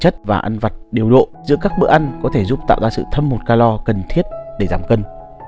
chất và ăn vặt đều độ giữa các bữa ăn có thể giúp tạo ra sự thâm một calo cần thiết để giảm cân